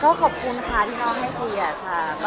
อ๋อค่ะก็ขอบคุณค่ะที่เขาให้เครียดค่ะแล้วก็ตกใจเหมือนกัน